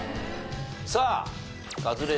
さあカズレーザー。